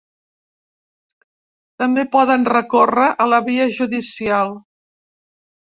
També poden recórrer a la via judicial.